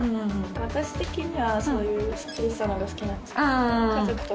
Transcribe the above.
私的にはそういうスッキリしたのが好きなんですけど家族とかが。